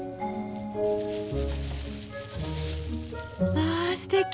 まあすてき！